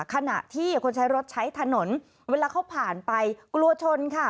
ขณะที่คนใช้รถใช้ถนนเวลาเขาผ่านไปกลัวชนค่ะ